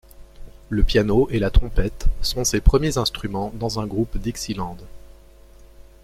Le piano et la trompette sont ses premiers instruments dans un groupe dixieland.